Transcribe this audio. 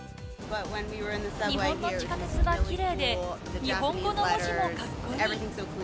日本の地下鉄はきれいで、日本語の文字もかっこいい。